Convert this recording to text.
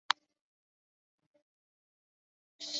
个人专辑合辑